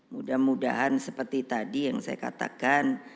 mudah mudahan seperti tadi yang saya katakan